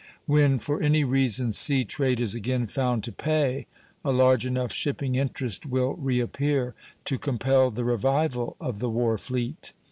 When for any reason sea trade is again found to pay, a large enough shipping interest will reappear to compel the revival of the war fleet.